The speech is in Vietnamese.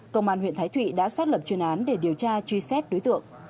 công an huyện thái thụy đã xác lập chuyên án để điều tra truy xét đối tượng